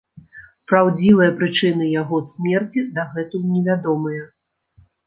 Праўдзівыя прычыны яго смерці дагэтуль невядомыя.